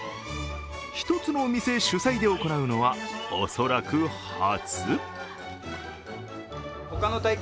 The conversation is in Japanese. １つの店主催で行うのは恐らく初。